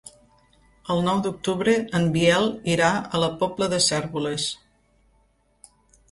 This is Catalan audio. El nou d'octubre en Biel irà a la Pobla de Cérvoles.